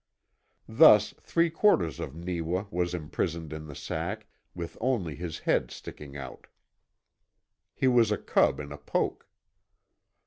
Thus three quarters of Neewa was imprisoned in the sack, with only his head sticking out. He was a cub in a poke.